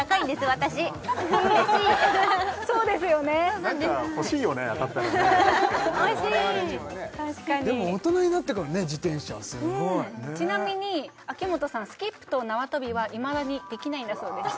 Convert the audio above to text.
我々にもねでも大人になってから自転車すごいちなみに秋元さんスキップと縄跳びはいまだにできないんだそうです